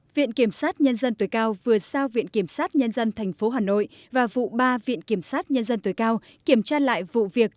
viện kiểm sát nhân dân tối cao vừa sao viện kiểm sát nhân dân tp hà nội và vụ ba viện kiểm sát nhân dân tối cao kiểm tra lại vụ việc